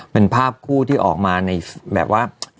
มันกินแล้ว